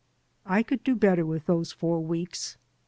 I could do better with those four weeks.